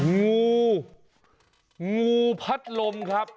งูงูพัดลมครับ